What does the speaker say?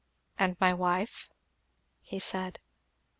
"And my wife?" he said.